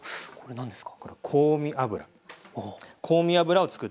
何ですか？